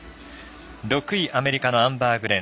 ６位、アメリカのアンバー・グレン。